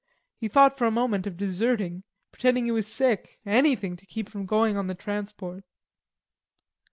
He thought for a moment of deserting, pretending he was sick, anything to keep from going on the transport.